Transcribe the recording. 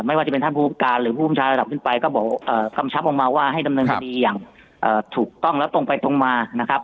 ไม่ว่าจะเป็นท่านผู้การหรือผู้บัญชาระดับขึ้นไปก็บอกกำชับออกมาว่าให้ดำเนินคดีอย่างถูกต้องแล้วตรงไปตรงมานะครับ